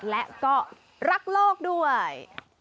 และก็รักโลกด้วย